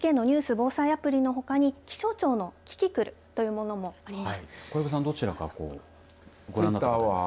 ・防災アプリのほかに気象庁のキククルというものもあります。